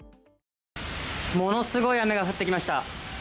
ものすごい雨が降ってきました。